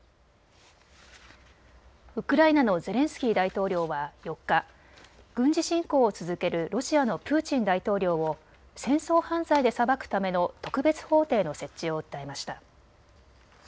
ウクライナのゼレンスキー大統領は４日、軍事侵攻を続けるロシアのプーチン大統領を戦争犯罪で裁くための特別法廷の設置を訴えました。